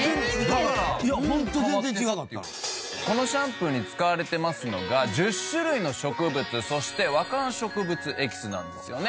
このシャンプーに使われていますのが１０種類の植物そして和漢植物エキスなんですよね。